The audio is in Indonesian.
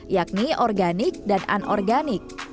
yakni organik dan anorganik